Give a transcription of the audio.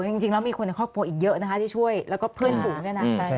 จริงจริงแล้วมีคนในครอบครัวอีกเยอะนะคะที่ช่วยแล้วก็เพื่อนผู้แน่นั้นใช่ใช่